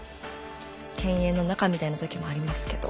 犬猿の仲みたいな時もありますけど。